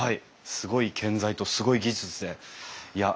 すごい建材とすごい技術でいや